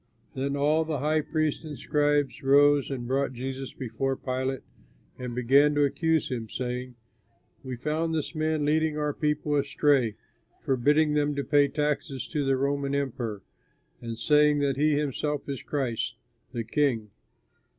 Then all the high priests and scribes rose and brought Jesus before Pilate, and began to accuse him, saying, "We found this man leading our people astray, forbidding them to pay taxes to the Roman emperor, and saying that he himself is Christ, the King."